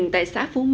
chưa thấy xuất hiện